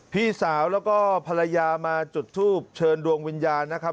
พี่สาวแล้วก็ภรรยามาจุดทูบเชิญดวงวิญญาณนะครับ